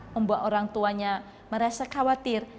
membuat orang tuanya merasa khawatir